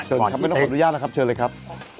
ครับไม่ต้องขออนุญาตหลายครับ